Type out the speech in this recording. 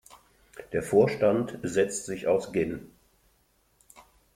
Der Vorstand setzt sich aus Gen.